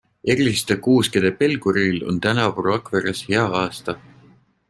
Eriliste kuuskede pelgureil on tänavu Rakveres hea aasta.